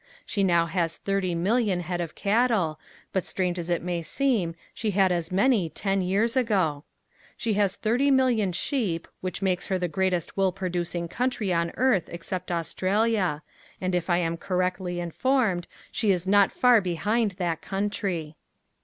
She now has thirty million head of cattle, but strange as it may seem she had as many ten years ago. She has thirty million sheep which makes her the greatest wool producing country on earth except Australia and if I am correctly informed she is not far behind that country.